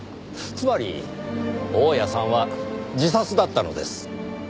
つまり大屋さんは自殺だったのです。